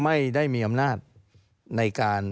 ไม่ได้มีอำนาจในการ